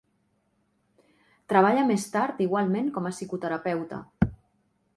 Treballa més tard igualment com a psicoterapeuta.